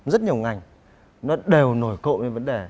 rất nhiều ngành nó đều nổi cộng với vấn đề